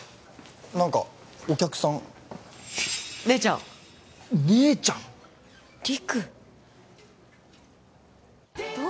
何かお客さん姉ちゃん姉ちゃん！？陸！？